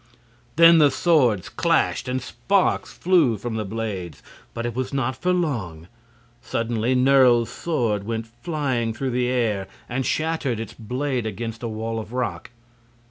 Then the swords clashed and sparks flew from the blades. But it was not for long. Suddenly Nerle's sword went flying through the air and shattered its blade against a wall of rock.